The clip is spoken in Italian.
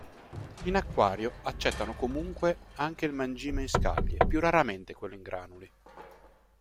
In acquario accettano comunque anche il mangime in scaglie, più raramente quello in granuli.